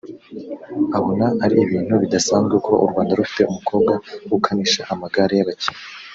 abona ari ibintu bidasanzwe kuba u Rwanda rufite umukobwa ukanisha amagare y’abakinnyi